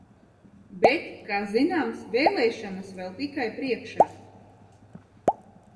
Bet, kā zināms, vēlēšanas vēl tikai priekšā.